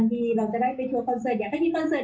พี่นกมีความเชื่อมีความสรรคาเมื่อ